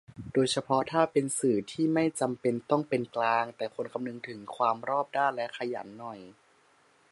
โดยเฉพาะถ้าเป็นสื่อ ที่ไม่จำเป็นต้องเป็นกลาง แต่ควรคำนึงถึงความรอบด้าน และขยันหน่อย